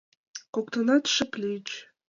Коктынат шып лийыч.